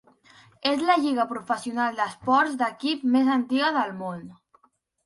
És la lliga professional d'esports d'equip més antiga del món.